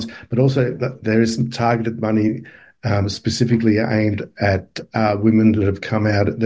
tapi juga ada uang yang ditargetkan untuk perempuan yang telah keluar